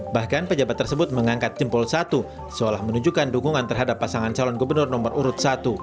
bahkan pejabat tersebut mengangkat jempol satu seolah menunjukkan dukungan terhadap pasangan calon gubernur nomor urut satu